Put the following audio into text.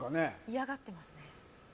嫌がってますね